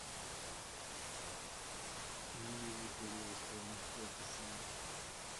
No music video was filmed for this song.